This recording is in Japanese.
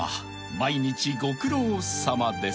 ［毎日ご苦労さまです］